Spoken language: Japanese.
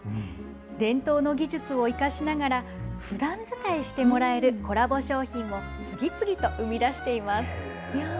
伝統の技術を生かしながら、ふだん使いしてもらえるコラボ商品を、次々と生み出しています。